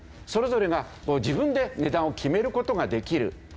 それぞれが自分で値段を決める事ができる。